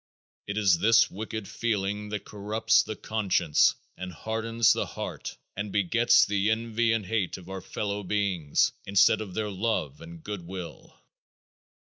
It is this wicked feeling that corrupts the conscience and hardens the heart and begets the envy and hate of our fellow beings, instead of their love and good will.